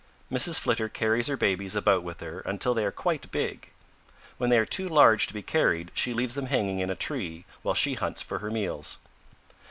Mrs. Flitter carries her babies about with her until they are quite big. When they are too large to be carried she leaves them hanging in a tree while she hunts for her meals.